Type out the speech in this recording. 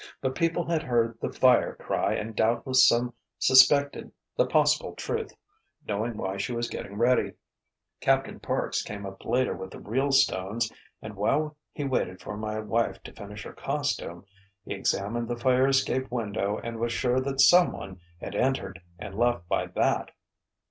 But people had heard the 'fire!' cry and doubtless some suspected the possible truth, knowing why she was getting ready. "Captain Parks came up later with the real stones and while he waited for my wife to finish her costume, he examined the fire escape window and was sure that someone had entered and left by that.